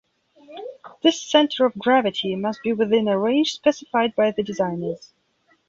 This center of gravity must be within a range specified by the designers.